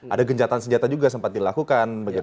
ada gencatan senjata juga sempat dilakukan